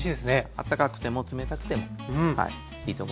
あったかくても冷たくてもはいいいと思います。